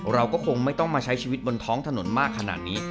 เราก็คงไม่ต้องมาใช้ชีวิตบนท้องถนนมากขนาดนี้